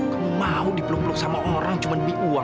kamu mau dipeluk peluk sama orang cuma demi uang